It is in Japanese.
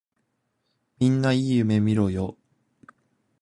みんないい夢みろよ。